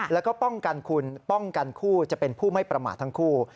แล้วก็ป้องกันคุณป้องกันคู่จะเป็นผู้ไม่ประมาททั้งคู่